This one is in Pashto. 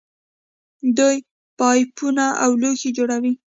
دوی پایپونه او لوښي جوړوي.